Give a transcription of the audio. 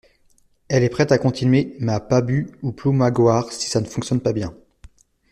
Elle est prête à continuer, mais à Pabu ou Ploumagoar, si ça ne fonctionne pas bien.